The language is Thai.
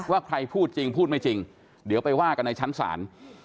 ว่าใครพูดจริงพูดไม่จริงเดี๋ยวไปว่ากันในชั้นศาล